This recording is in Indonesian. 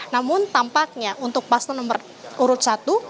namun tampaknya untuk paslon nomor urut satu